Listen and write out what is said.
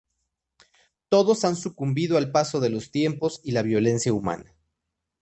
Todos han sucumbido al paso de los tiempos y la violencia humana.